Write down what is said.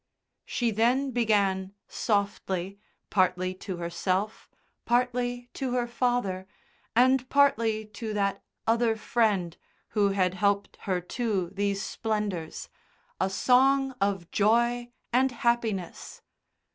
She then began softly, partly to herself, partly to her father, and partly to that other Friend who had helped her to these splendours, a song of joy and happiness.